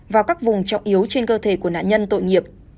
vào các vùng trọng yếu trên cơ thể của nạn nhân tội nghiệp